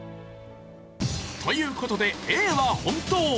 という事でＡは本当。